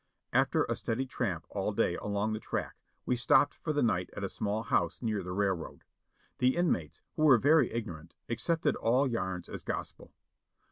After a steady tramp all day along the track we stopped for the night at a small house near the railroad. The inmates, who were very ignorant, accepted all yarns as gospel.